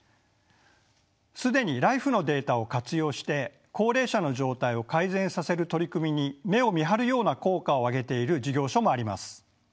既にＬＩＦＥのデータを活用して高齢者の状態を改善させる取り組みに目をみはるような効果を上げている事業所もあります。